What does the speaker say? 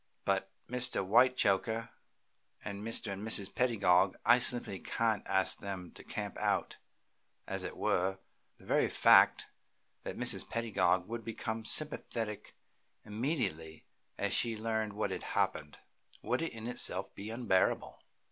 But Mr. Whitechoker and Mr. and Mrs. Pedagog I simply can't ask them to camp out, as it were. The very fact that Mrs. Pedagog would become sympathetic immediately she learned what had happened would in itself be unbearable."